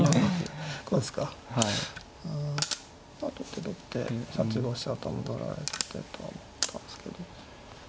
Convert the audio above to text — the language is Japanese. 取って取って８五飛車飛んだら一手とは思ったんですけど。